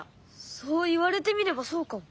そう言われてみればそうかも。